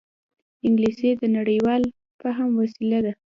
انګلیسي د نړيوال فهم وسیله ده